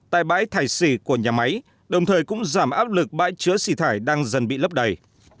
tại bãi thải xỉ của nhà máy đồng thời cũng giảm áp lực bãi chứa xỉ thải đang dần bị lấp đầy